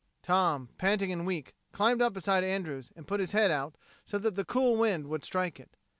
Tom, panting and weak, climbed up beside Andrews and put his head out so that the cool wind would strike it.